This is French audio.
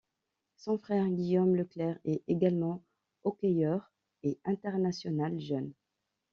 Son frère Guillaume Leclerc est également hockeyeur et international jeune.